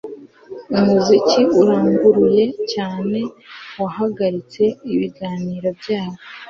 Umuziki uranguruye cyane wahagaritse ibiganiro byabo